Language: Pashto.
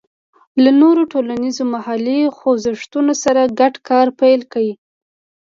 له نورو ټولنیزو محلي خوځښتونو سره ګډ کار پیل کړ.